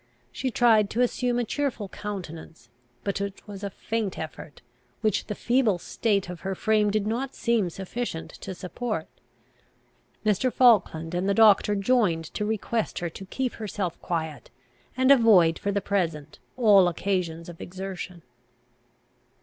She tried to assume a cheerful countenance; but it was a faint effort, which the feeble state of her frame did not seem sufficient to support. Mr. Falkland and the doctor joined to request her to keep herself quiet, and avoid for the present all occasions of exertion.